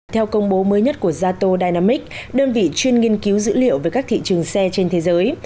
theo công bố mới nhất của zato dinamics đơn vị chuyên nghiên cứu dữ liệu về các thị trường xe trên thế giới